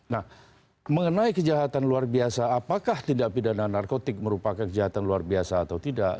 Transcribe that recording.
nah mengenai kejahatan luar biasa apakah tindak pidana narkotik merupakan kejahatan luar biasa atau tidak